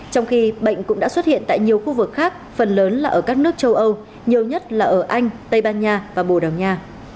trong khi bệnh cũng đã xuất hiện tại nhiều khu vực khác phần lớn là ở các nước châu âu nhiều nhất là ở anh tây ban nha và bồ đào nha